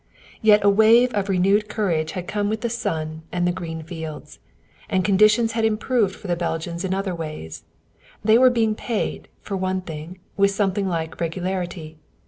Yet a wave of renewed courage had come with the sun and the green fields. And conditions had improved for the Belgians in other ways. They were being paid, for one thing, with something like regularity.